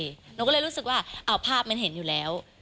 หนูก็เลยรู้สึกว่าเอาภาพมันเห็นอยู่แล้ว